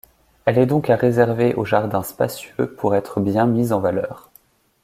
Elle est donc à réserver aux jardins spacieux pour être bien mise en valeur.